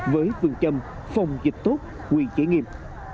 với phương châm phòng dịch tốt quyền chế nghiệm